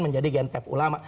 menjadi gnpf ulama